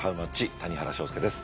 谷原章介です。